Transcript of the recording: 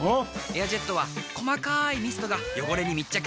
エアジェットは細かいミストが汚れに密着！